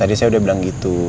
tadi saya udah bilang gitu